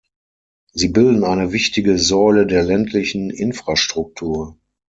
Sie bilden eine wichtige Säule der ländlichen Infrastruktur.